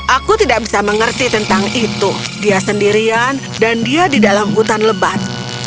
aku tidak bisa mengerti tentang itu dia sendirian dan dia di dalam hutan lebat